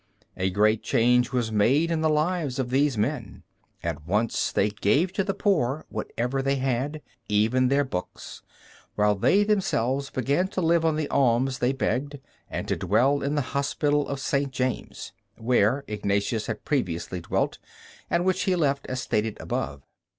A great change was made in the lives of these men. At once they gave to the poor whatever they had, even their books, while they themselves began to live on the alms they begged, and to dwell in the Hospital of St. James, where Ignatius had previously dwelt, and which he left as stated above.